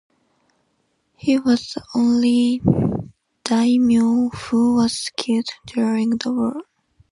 He was the only Daimyo who was killed during the war.